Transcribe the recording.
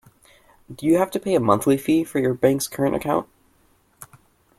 Do you have to pay a monthly fee for your bank’s current account?